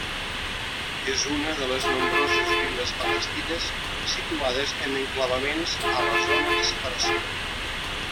És una de les nombroses viles palestines situades en enclavaments a la Zona de Separació.